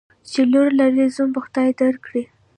چی لور لرې ، زوم به خدای در کړي.